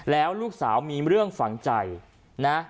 แล้วลูกสาวมีเรื่องฝังใจนะ